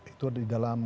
itu di dalam